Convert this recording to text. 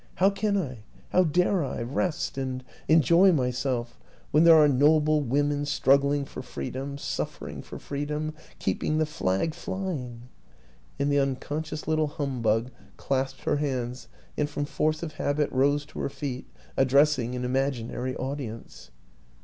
How can I how dare I rest and enjoy myself when there WILLIAM AN ENGLISHMAN 53 are noble women struggling for freedom, suffer ing for freedom, keeping the flag flying ?" And the unconscious little humbug clasped her hands and, from force of habit, rose to her feet, addressing an imaginary audience.